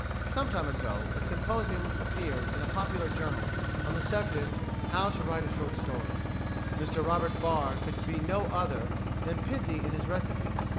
Some time ago a symposium appeared in a popular journal,[160:A] on the subject How to Write a Short Story. Mr Robert Barr could be no other than pithy in his recipe.